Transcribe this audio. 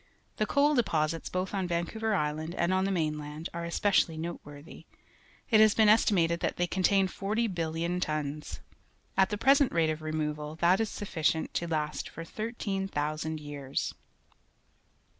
The coal de posits both on ^'ancouver Island and on the mainland are especialh' noteworthy. It has been estimated that they contain forty bilUon tons. At the present rate of removal, that is .sufficient to last for 13,000 years.